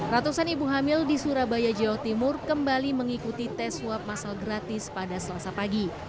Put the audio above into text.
ratusan ibu hamil di surabaya jawa timur kembali mengikuti tes swab masal gratis pada selasa pagi